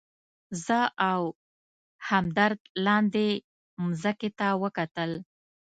زه او همدرد لاندې مځکې ته کتل.